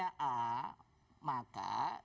maka saya mengumpulkan orang orang yang mendukung